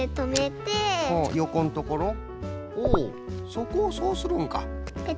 そこをそうするんか。